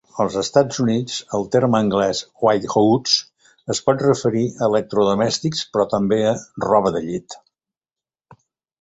Als Estats Units, el terme anglès "white goods" es pot referir a "electrodomèstics", però també a "roba de llit".